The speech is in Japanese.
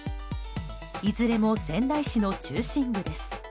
いずれも仙台市の中心部です。